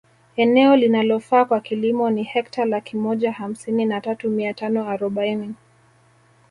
Eneo linalofaa kwa kilimo ni Hekta laki moja hamsini na tatu mia tano arobaini